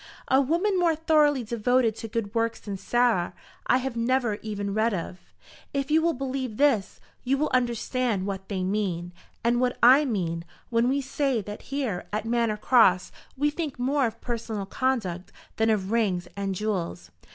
A woman more thoroughly devoted to good works than Sarah I have never even read of. If you will believe this, you will understand what they mean, and what I mean, when we say that here at Manor Cross we think more of personal conduct than of rings and jewels.